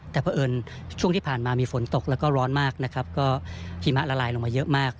แต่เพราะเอิญช่วงที่ผ่านมามีฝนตกแล้วก็ร้อนมากนะครับก็หิมะละลายลงมาเยอะมาก